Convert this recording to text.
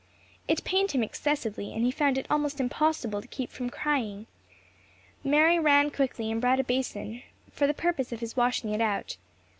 It pained him excessively, and he found it almost impossible to keep from crying. Mary ran quickly and brought a basin, for the purpose of his washing it out.